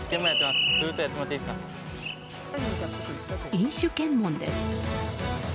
飲酒検問です。